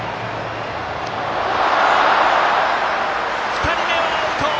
２人目はアウト！